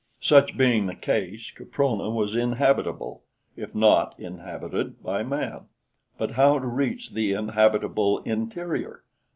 Such being the case, Caprona was inhabitable, if not inhabited, by man; but how to reach the inhabitable interior!